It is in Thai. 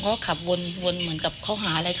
เขาขับวนเหมือนกับเขาหาอะไรกัน